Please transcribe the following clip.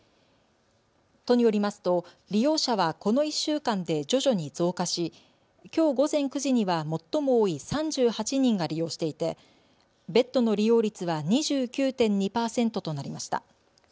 都によりますと、利用者はこの１週間で徐々に増加しきょう午前９時には最も多い３８人が利用していてベッドの利用率は２９．２％となりました。